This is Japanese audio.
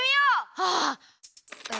ああ！